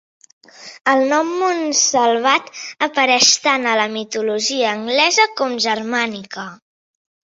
El nom Montsalvat apareix tant a la mitologia anglesa com germànica.